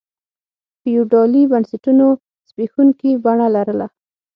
فیوډالي بنسټونو زبېښونکي بڼه لرله.